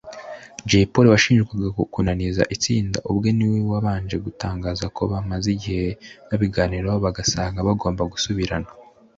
Jay Polly washinjwaga kunaniza itsinda ubwe niwe wabanje gutangaza ko bamaze igihe babiganiraho bagasanga bagomba gusubirana